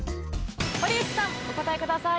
堀内さんお答えください。